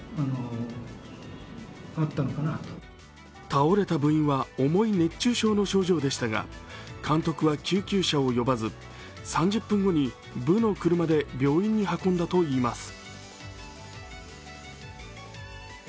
倒れた部員は重い熱中症の症状でしたが監督は救急車を呼ばず３０分後に部の車で病院に運んだといいいます。